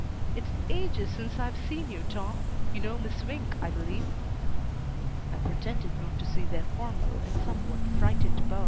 "It's ages since I've seen you, Tom. You know Miss Swink, I believe." I pretended not to see their formal and somewhat frightened bow.